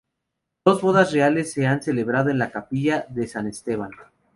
Dos bodas reales se han celebrado en la capilla de San Esteban.